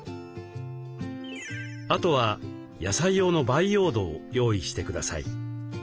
あとは野菜用の培養土を用意してください。